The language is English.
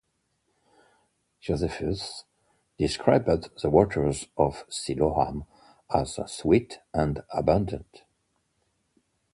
Josephus described the waters of Siloam as sweet and abundant.